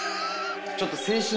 ちょっと。